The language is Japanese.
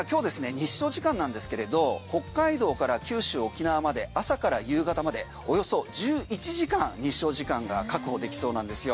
日照時間なんですけれど北海道から九州、沖縄まで朝から夕方までおよそ１１時間、日照時間が確保できそうなんですよ。